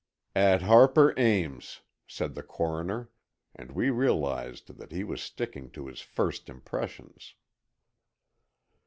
"At Harper Ames," said the coroner, and we realized that he was sticking to his first impressions.